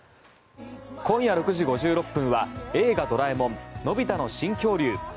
今夜６時５６分は「映画ドラえもんのび太の新恐竜」。